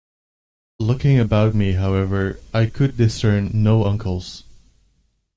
Looking about me, however, I could discern no uncles.